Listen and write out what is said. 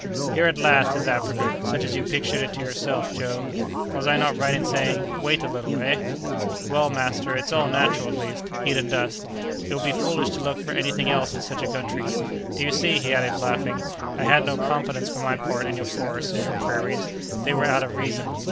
"Here, at last, is Africa, such as you pictured it to yourself, Joe! Was I not right in saying, 'Wait a little?' eh?" "Well, master, it's all natural, at least—heat and dust. It would be foolish to look for any thing else in such a country. Do you see," he added, laughing, "I had no confidence, for my part, in your forests and your prairies; they were out of reason.